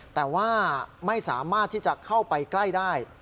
แต่ว่าไม่สามารถที่จะเข้าไปใกล้ได้